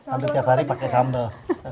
ambil tiap hari pakai sambel